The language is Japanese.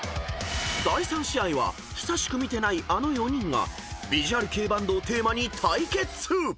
［第３試合は久しく見てないあの４人がヴィジュアル系バンドをテーマに対決！］